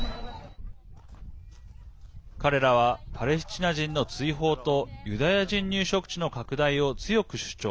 彼らはパレスチナ人の追放とユダヤ人入植地の拡大を強く主張。